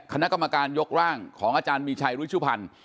คณะกรรมการยกร่างของอาจารย์มีชัยรุชุพันธ์